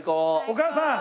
お母さん！